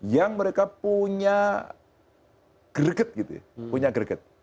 yang mereka punya greget